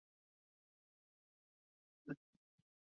La banda originalmente se llamaba Empires.